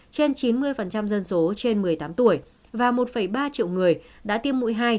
trên chín mươi dân số trên một mươi tám tuổi và một ba triệu người đã tiêm mũi hai